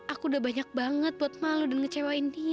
aku udah banyak banget buat malu dan ngecewain dia